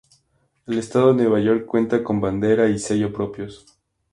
El Estado de Nueva York cuenta con bandera y sello propios.